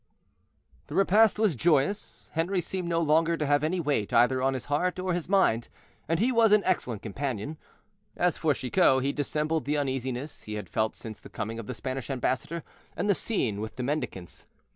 The repast was joyous. Henri seemed no longer to have any weight either on his heart or his mind, and he was an excellent companion. As for Chicot, he dissembled the uneasiness he had felt since the coming of the Spanish ambassador and the scene with the mendicants.